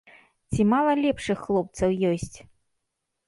Ці мала лепшых хлопцаў ёсць?